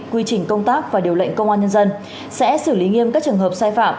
quy trình công tác và điều lệnh công an nhân dân sẽ xử lý nghiêm các trường hợp sai phạm